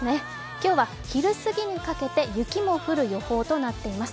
今日は昼過ぎにかけて雪も降る予報となっています。